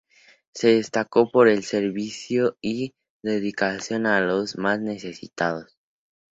Se destacó por el servicio y dedicación a los más necesitados.